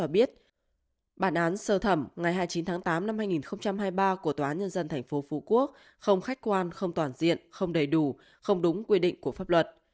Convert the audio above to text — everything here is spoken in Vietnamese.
bản án sơ thẩm ngày hai mươi chín tháng tám năm hai nghìn hai mươi ba của tòa nhân dân tp phú quốc không khách quan không toàn diện không đầy đủ không đúng quy định của pháp luật